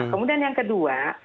nah kemudian yang kedua